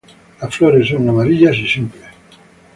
Las flores son amarillas y simples.